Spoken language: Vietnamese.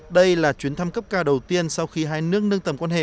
đây là chuyến thăm cấp cao đầu tiên sau khi hai nước nâng tầm nhau